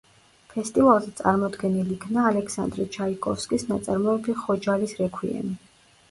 ფესტივალზე წარმოდგენილ იქნა ალექსანდრე ჩაიკოვსკის ნაწარმოები „ხოჯალის რექვიემი“.